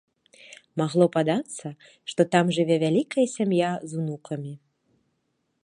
Магло падацца, што там жыве вялікая сям'я з унукамі.